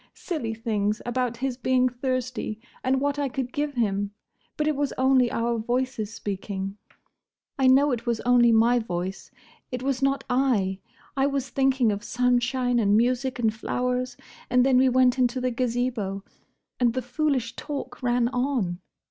Silly things; about his being thirsty, and what I could give him. But it was only our voices speaking. I know it was only my voice: it was not I. I was thinking of sunshine and music and flowers. And then we went into the Gazebo; and the foolish talk ran on!